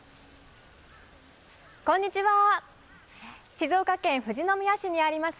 静岡県富士宮市にあります